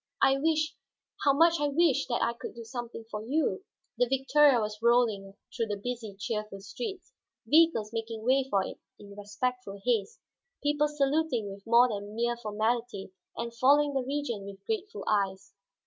I wish, how much I wish, that I could do something for you!" The victoria was rolling through the busy, cheerful streets; vehicles making way for it in respectful haste, people saluting with more than mere formality and following the Regent with grateful eyes.